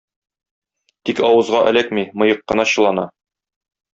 Тик авызга эләкми, мыек кына чылана.